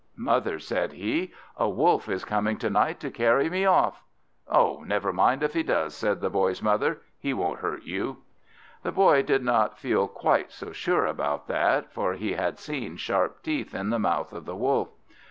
"Mother," said he, "a Wolf is coming to night to carry me off." "Oh, never mind if he does," said the Boy's mother, "he won't hurt you." The Boy did not feel quite so sure about that, for he had seen sharp teeth in the mouth of the Wolf.